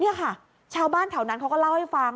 นี่ค่ะชาวบ้านแถวนั้นเขาก็เล่าให้ฟัง